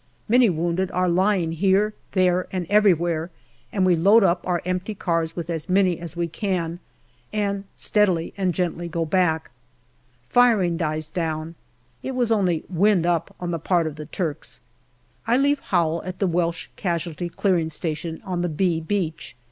Many wounded are lying here, there, and everywhere, and we load up our empty cars with as many as we can, and steadily and gently go back. Firing dies down. It was only " wind up " on the part of the Turks. I leave Howell at the Welsh Casualty Clearing Station on the " B " Beach.